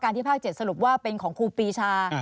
การที่ภาคเจ็ดสรุปว่าเป็นของครูปีชา